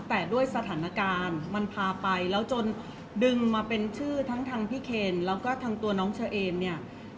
แต่ด้วยสถานการณ์มันพาไปแล้วจนดึงมาเป็นชื่อทั้งทางพี่เคนแล้วก็ทางตัวน้องเชอเอมเนี่ย